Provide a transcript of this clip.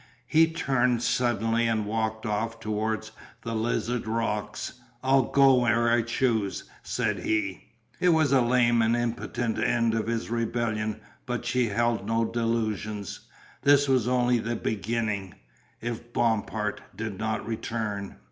He turned suddenly and walked off towards the Lizard rocks. "I'll go where I choose," said he. It was a lame and impotent end of his rebellion, but she held no delusions. This was only the beginning if Bompard did not return.